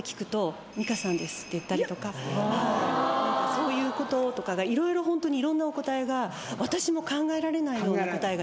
そういうこととかがホントにいろんなお答えが私も考えられないような答えがいっぱい。